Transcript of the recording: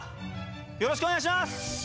よろしくお願いします！」。